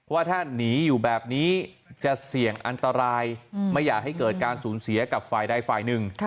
ว่าถ้าหนีอยู่แบบนี้จะเสี่ยงอันตรายไม่อยากให้เกิดการสูญเสียกับฝ่ายใดฝ่ายหนึ่ง